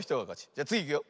じゃつぎいくよ。